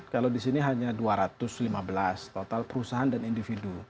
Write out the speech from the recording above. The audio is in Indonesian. kalau di sini hanya dua ratus lima belas total perusahaan dan individu